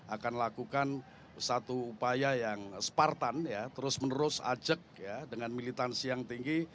akan lakukan satu upaya yang spartan ya terus menerus ajak ya dengan militansi yang tinggi